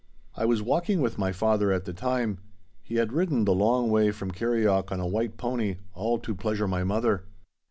I was walking with my father at the time. He had ridden the long way from Kirrieoch on a white pony, all to pleasure my mother.